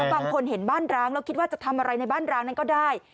บางคนเห็นบ้านร้างแล้วคิดว่าจะทำอะไรในบ้านร้างนั้นก็ได้